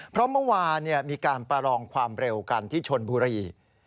เพราะเมื่อวานมีการประลองความเร็วกันที่ชนบุรี